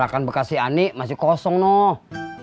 kontrakan bekasi anik masih kosong noh